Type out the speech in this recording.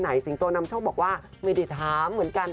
แค่ไหนสิงโตนำช่องบอกว่าไม่ได้ถามเหมือนกัน